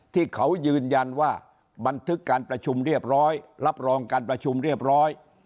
ที่เขายืนยันว่าบันทึกการประชุมเรียบร้อยรับรองการประชุมเรียบร้อย